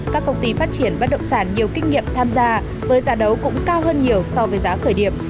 các công ty phát triển bất động sản nhiều kinh nghiệm tham gia với giá đấu cũng cao hơn nhiều so với giá khởi điểm